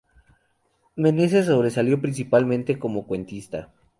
Meneses sobresalió principalmente como cuentista.